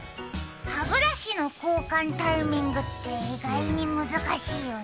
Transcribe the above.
歯ブラシの交換タイミングって意外に難しいよね。